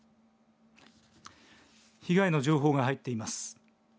被害の情報が入っています。